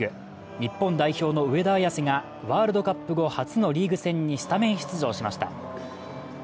日本代表の上田綺世がワールドカップ後初のリーグ戦にスタメン出場しました。